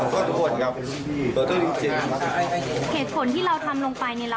เหตุผลที่เราทำลงไป